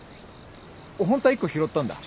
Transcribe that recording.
ホントは１個拾ったんだ。